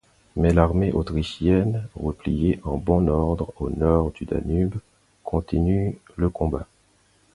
Mais l'armée autrichienne repliée en bon ordre au nord du Danube continue le combat.